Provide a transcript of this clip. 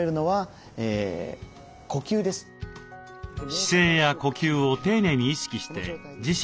姿勢や呼吸を丁寧に意識して自身と向き合う。